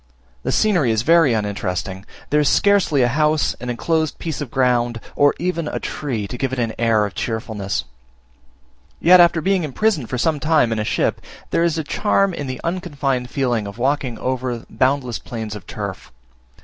The scenery is very uninteresting; there is scarcely a house, an enclosed piece of ground, or even a tree, to give it an air of cheerfulness Yet, after being imprisoned for some time in a ship, there is a charm in the unconfined feeling of walking over boundless plains of turf.